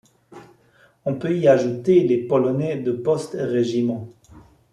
On peut y ajouter les Polonais de Post Regiment.